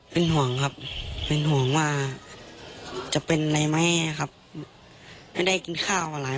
เป็นห่วงครับเป็นห่วงว่าจะเป็นอะไรไหมครับไม่ได้กินข้าวอะไร